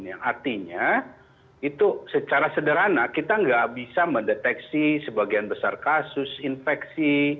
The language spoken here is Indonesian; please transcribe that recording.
yang artinya itu secara sederhana kita nggak bisa mendeteksi sebagian besar kasus infeksi